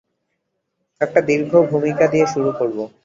একটা দীর্ঘ ভূমিকা দিয়ে শুরু করব।